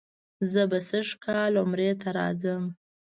زه به سږ کال عمرې ته راځم.